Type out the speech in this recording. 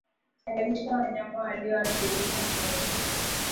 Tenganisha wanyama walioathirika na wazima